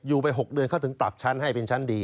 อยู่ไป๖เดือนเขาถึงปรับชั้นให้เป็นชั้นดี